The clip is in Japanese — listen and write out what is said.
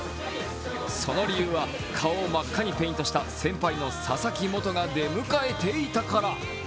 その理由は顔を真っ赤にペイントした先輩の佐々木元が出迎えていたから。